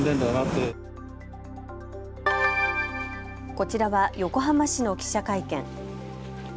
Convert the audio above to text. こちらは横浜市の記者会見。